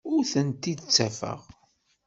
Ur tent-id-ttafeɣ.